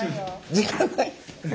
時間ない。